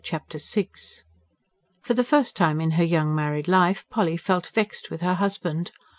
Chapter VI For the first time in her young married life, Polly felt vexed with her husband.